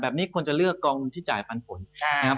แบบนี้ควรจะเลือกกองที่จ่ายปันผลนะครับ